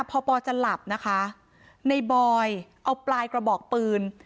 พอปอจะหลับนะคะในบอยเอาปลายกระบอกปืน